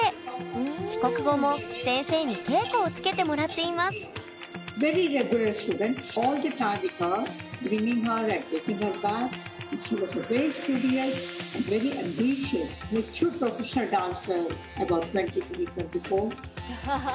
帰国後も先生に稽古をつけてもらっていますアハハ！